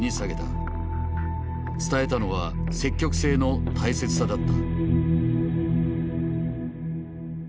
伝えたのは積極性の大切さだった。